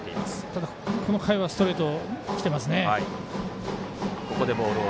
ただ、この回はストレートきてますね。